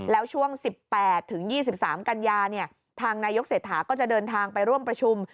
แล้วช่วง๑๘ถึง๒๓กันยาทางนายกเศรษฐาก็จะเดินทางไปร่วมประชุม